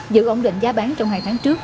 giữ ổn định giá bán trong hai tháng trước